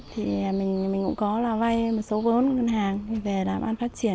thì mình cũng có là vay một số vốn ngân hàng về làm ăn phát triển